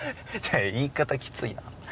言い方きついな。